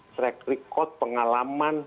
track record pengalaman